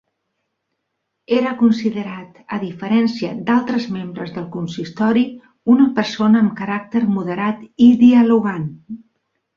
Era considerat, a diferència d'altres membres del consistori, una persona amb caràcter moderat i dialogant.